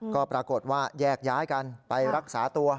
ก็ปรากฏว่าแยกย้ายกันไปรักษาตัว